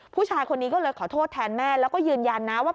ผู้ชายคนนี้ก็เลยขอโทษแทนแม่แล้วก็ยืนยันนะว่า